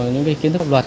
những kiến thức học luật